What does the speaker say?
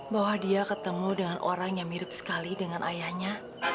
bahwa dia ketemu dengan orang yang mirip sekali dengan ayahnya